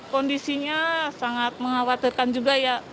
kondisinya sangat mengkhawatirkan juga ya